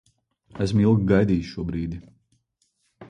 Esmu ilgi gaidījis šo brīdi.